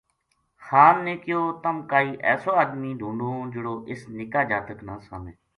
خان نے کہیو تَم کائی ایسو ادمی ڈُھونڈو جہڑو اس نِکا جاتک نا سامے